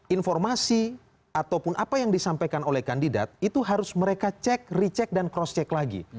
informasi ataupun apa yang disampaikan oleh kandidat itu harus mereka cek recheck dan cross check lagi